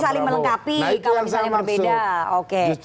jadi saling melengkapi kalau bisa yang berbeda